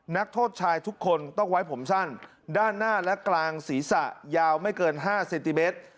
นักโทษชายทุกคนต้องไว้ผมสั้นด้านหน้าและกลางศีรษะยาวไม่เกิน๕เซนติเมตร